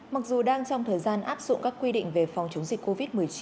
mặc dù đang trong thời gian áp dụng các quy định về phòng chống dịch covid một mươi chín